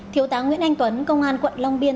thiếu tá nguyễn anh tuấn công an quận long biên